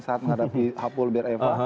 saat menghadapi hapul ber eva